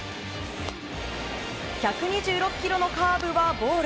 １２６キロのカーブはボール。